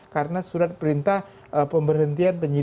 karena surat perintah pemberhentian